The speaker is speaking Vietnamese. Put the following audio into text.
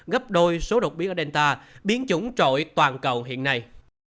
gấp đôi số độc biến ở delta biến chủng trội toàn cầu hiện nay